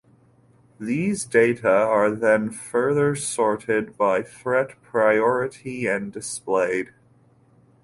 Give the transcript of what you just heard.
These data are then further sorted by threat priority and displayed.